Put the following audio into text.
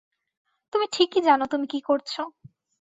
তুমি ঠিকই জানো তুমি কী করছো।